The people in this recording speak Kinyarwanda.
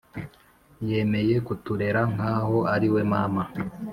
Yemeye kuturera nkaho ariwe mama